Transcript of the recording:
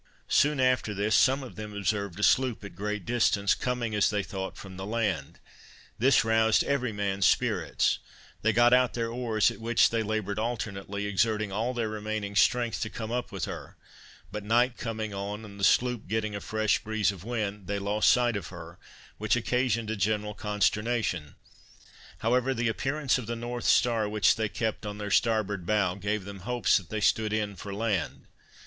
Soon after this some of them observed a sloop at a great distance, coming, as they thought, from the land. This roused every man's spirits; they got out their oars, at which they laboured alternately, exerting all their remaining strength to come up with her; but night coming on, and the sloop getting a fresh breeze of wind, they lost sight of her, which occasioned a general consternation; however, the appearance of the North star, which they kept on their starboard bow, gave them hopes that they stood in for land.